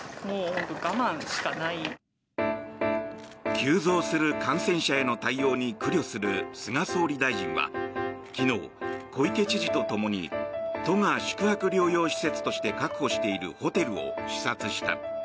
急増する感染者への対応に苦慮する菅総理大臣は昨日、小池都知事とともに都が宿泊療養施設として確保しているホテルを視察した。